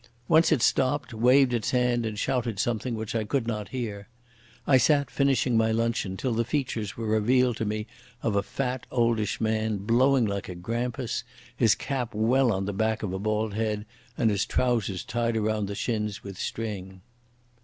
Once it stopped, waved its hand and shouted something which I could not hear. I sat finishing my luncheon, till the features were revealed to me of a fat oldish man, blowing like a grampus, his cap well on the back of a bald head, and his trousers tied about the shins with string.